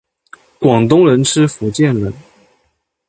广东人吃福建人！